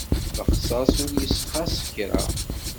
Lexṣaṣ ur as-yessxaṣ kra.